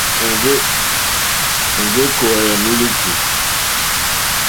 Èŋɡé kòòwà yà mílíkì.